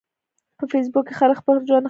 په فېسبوک کې خلک خپل ژوند ښکاره کوي.